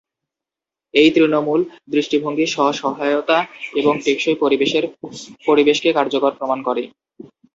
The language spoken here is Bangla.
এই তৃণমূল দৃষ্টিভঙ্গি স্ব-সহায়তা এবং টেকসই পরিবেশের পরিবেশকে কার্যকর প্রমাণ করে।